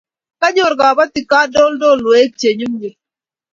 kakonyor kabotik kadoldolweik che nyumnyum